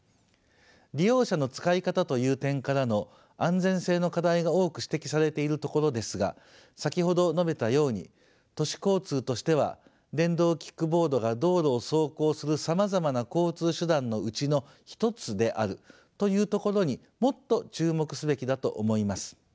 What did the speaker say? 利用者の使い方という点からの安全性の課題が多く指摘されているところですが先ほど述べたように都市交通としては電動キックボードが道路を走行するさまざまな交通手段のうちの一つであるというところにもっと注目すべきだと思います。